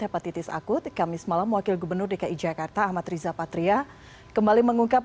hepatitis akut kamis malam wakil gubernur dki jakarta ahmad riza patria kembali mengungkap